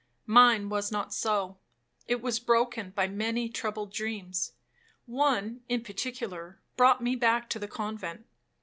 Mine was not so, it was broken by many troubled dreams. One, in particular, brought me back to the convent.